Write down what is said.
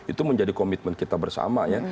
itu menjadi komitmen kita bersama ya